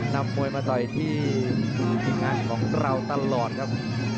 นำมวยมาต่อยที่ทีมงานของเราตลอดครับ